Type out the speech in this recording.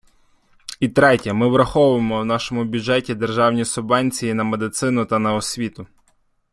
І третє, ми враховуємо в нашому бюджеті державні субвенції на медицину та на освіту.